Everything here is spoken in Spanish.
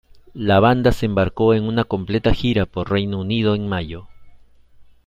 La banda se embarcó en una completa gira por Reino Unido en mayo.